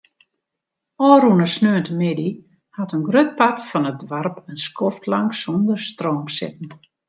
Ofrûne sneontemiddei hat in grut part fan it doarp in skoftlang sonder stroom sitten.